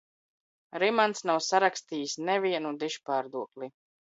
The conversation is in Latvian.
Rimants nav sarakstījis nevienu dižpārdokli.